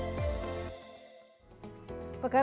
pekan raya teknologi dan industri terbesar di dunia yaitu hanover messe